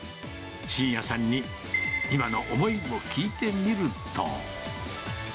真也さんに今の思いを聞いてみると。